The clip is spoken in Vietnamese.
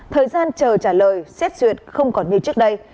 thời gian chờ trả lời xét duyệt không còn như trước đây